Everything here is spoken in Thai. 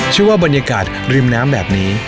ชื่อว่าบรรยากาศริมน้ำแบบนี้